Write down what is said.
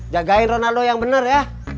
jagain ronaldo yang benar ya